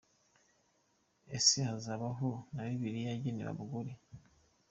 Ese hazabaho na Bibiliya yagenewe abagore?.